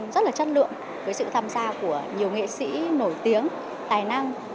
rất là chất lượng với sự tham gia của nhiều nghệ sĩ nổi tiếng tài năng